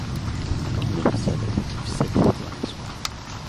سأعود في السادسة و النصف.